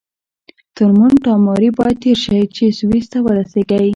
تر مونټ تاماري باید تېر شئ چې سویس ته ورسیږئ.